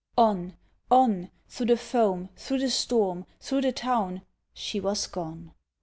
On! On! Through the foam, through the storm, through the town, She was gone.